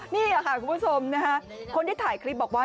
นี่ค่ะคุณผู้ชมนะคะคนที่ถ่ายคลิปบอกว่า